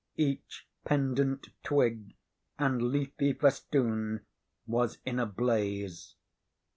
Each pendent twig and leafy festoon was in a blaze.